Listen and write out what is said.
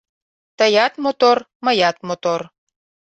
Тыят мотор, мыят мотор